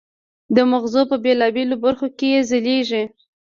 د مغزو په بېلابېلو برخو کې یې ځلېږي.